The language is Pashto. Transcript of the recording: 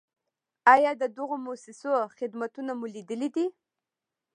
آیا د دغو مؤسسو خدمتونه مو لیدلي دي؟